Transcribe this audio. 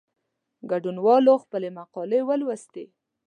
ګډونوالو خپلي مقالې ولوستې.